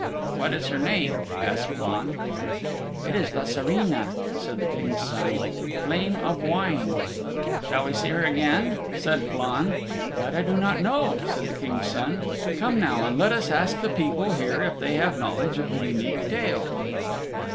"What is her name?" asked Flann. "It is Lassarina," said the King's Son, "Flame of Wine." "Shall we see her again?" said Flann. "That I do not know," said the King's Son. "Come now, and let us ask the people here if they have knowledge of the Unique Tale."